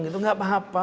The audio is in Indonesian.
itu tidak apa apa